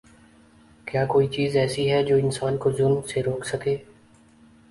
کیا کوئی چیز ایسی ہے جو انسان کو ظلم سے روک سکے؟